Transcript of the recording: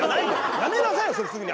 やめなさいそれすぐに。